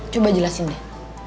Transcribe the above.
coba jelasin deh